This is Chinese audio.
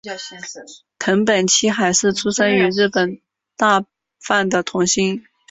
藤本七海是出身于日本大阪的童星。